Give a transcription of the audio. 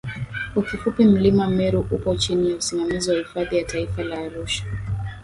kwa kifupi Mlima Meru upo chini ya usimamizi wa Hifadhi ya Taifa ya Arusha